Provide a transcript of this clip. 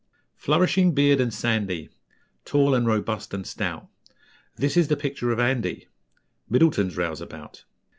Flourishing beard and sandy, Tall and robust and stout; This is the picture of Andy, Middleton's Rouseabout.